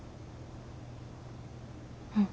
うん。